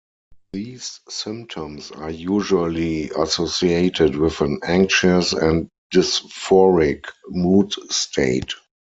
These symptoms are usually associated with an anxious and dysphoric mood state.